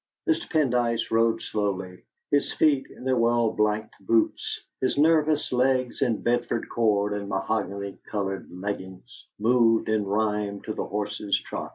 Mr. Pendyce rode slowly; his feet, in their well blacked boots, his nervous legs in Bedford cord and mahogany coloured leggings, moved in rhyme to the horse's trot.